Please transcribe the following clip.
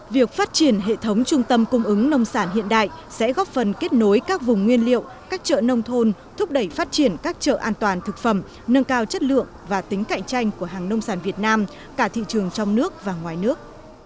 việc phát triển hệ thống trung tâm cung ứng nông sản hiện đại sẽ góp phần kết nối các vùng nguyên liệu các chợ nông thôn thúc đẩy phát triển các chợ an toàn thực phẩm nâng cao chất lượng và tính cạnh tranh của hàng nông sản việt nam cả thị trường trong nước và ngoài nước